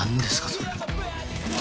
それ。